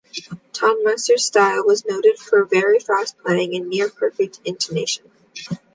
Ton Masseurs' style was noted for very fast playing and near-perfect intonation.